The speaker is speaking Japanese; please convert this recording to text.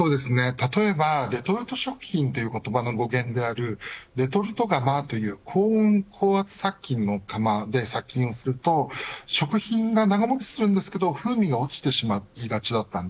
例えばレトルト食品という言葉の語源であるレトルト釜という高温高圧殺菌釜で殺菌すると食品が長持ちするんですが風味が落ちてしまいがちでした。